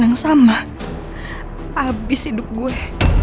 lama abis hidup gue